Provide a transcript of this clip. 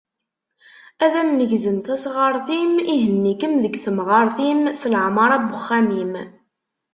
Ad am-negzem tasɣart-im, ihenni-kem deg temɣart-im, s leɛmara n uxxam-im.